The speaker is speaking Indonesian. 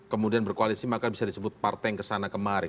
kemudian berkoalisi maka bisa disebut partai yang kesana kemari